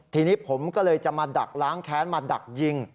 ทีนี้ผมก็เลยจะมาดักล้างแค้นมาดักยิง